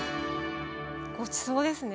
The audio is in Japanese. ごちそうですね。